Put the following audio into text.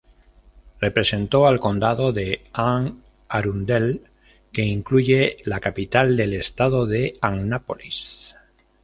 Representó al condado de Anne Arundel, que incluye la capital del estado de Annapolis.